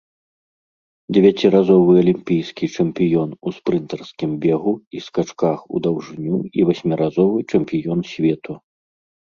Дзевяціразовы алімпійскі чэмпіён у спрынтарскім бегу і скачках у даўжыню і васьміразовы чэмпіён свету.